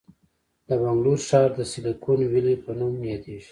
د بنګلور ښار د سیلیکون ویلي په نوم یادیږي.